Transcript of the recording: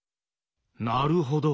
なるほど。